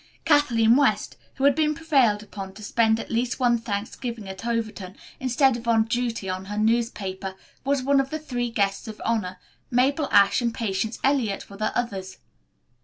Kathleen West, who had been prevailed upon to spend at least one Thanksgiving at Overton, instead of on duty on her paper, was one of three guests of honor, Mabel Ashe and Patience Eliot were the others.